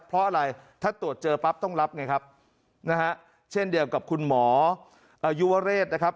เพราะอะไรถ้าตรวจเจอปั๊บต้องรับไงครับนะฮะเช่นเดียวกับคุณหมออายุวเรศนะครับ